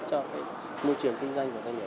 cho môi trường kinh doanh của doanh nghiệp